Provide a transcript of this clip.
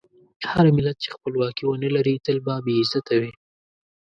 هر ملت چې خپلواکي ونه لري، تل به بې عزته وي.